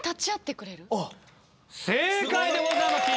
正解でございます１位。